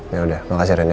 yaudah makasih ren ya